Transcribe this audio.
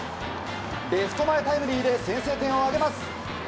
レフト前タイムリーで先制点を挙げます。